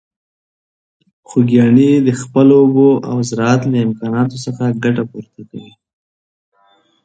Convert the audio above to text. خوږیاڼي د خپلو اوبو او زراعت له امکاناتو څخه ګټه پورته کوي.